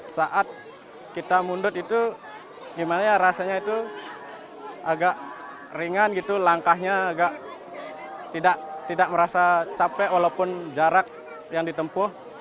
saat kita mundur itu gimana rasanya itu agak ringan gitu langkahnya agak tidak merasa capek walaupun jarak yang ditempuh